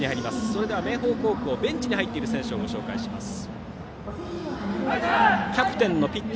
それでは明豊高校のベンチに入っている選手をご紹介します。